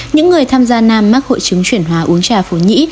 những người tham gia nam mắc hội chứng chuyển hóa uống trà phổ nhĩ